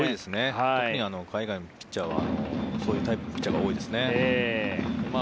特に海外のピッチャーはそういうタイプのピッチャーが多いですね。